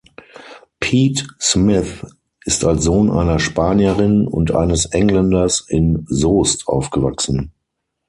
Pete Smith ist als Sohn einer Spanierin und eines Engländers in Soest aufgewachsen.